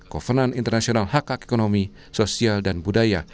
kovenan internasional hak hak ekonomi sosial dan budaya